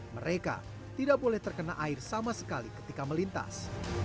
mereka tidak boleh terkena air sama sekali ketika melintas